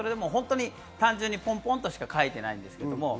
単純にポンポンとしか書いていないです。